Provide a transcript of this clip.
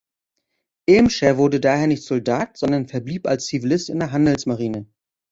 Irmscher wurde daher nicht Soldat, sondern verblieb als Zivilist in der Handelsmarine.